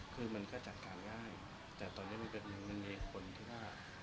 คือมันก็จัดการง่ายแต่ตอนนี้มันเป็นหนึ่งมันมีคนที่ว่า